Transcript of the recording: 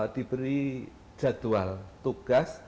diberi jadwal tugas